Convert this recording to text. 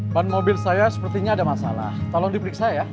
ban mobil saya sepertinya ada masalah tolong diperiksa ya